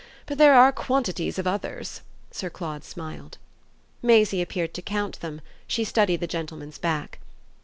But there are quantities of others!" Sir Claude smiled. Maisie appeared to count them; she studied the gentleman's back.